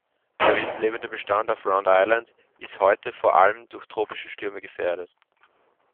Der wildlebende Bestand auf Round Island ist heute vor allem durch tropische Stürme gefährdet.